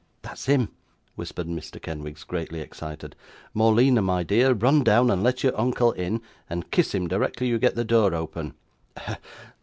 'That's him,' whispered Mr. Kenwigs, greatly excited. 'Morleena, my dear, run down and let your uncle in, and kiss him directly you get the door open.